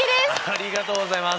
ありがとうございます。